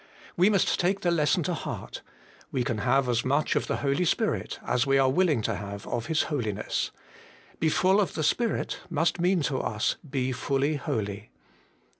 We must take the lesson to heart ; we can have as much of the Spirit as we are willing to have of His Holiness. Be full of the Spirit, must mean to us, Be fully holy.